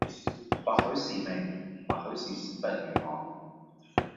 或許是命、或許是時不與我。